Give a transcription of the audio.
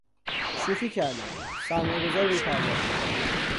شوخی کردم. سرمایه گذار بی پروا